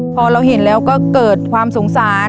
พอเราเห็นแล้วก็เกิดความสงสาร